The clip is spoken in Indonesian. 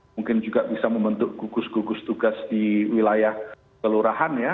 mungkin juga bisa membentuk gugus gugus tugas di wilayah kelurahan ya